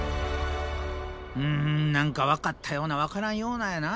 うん何か分かったような分からんようなやな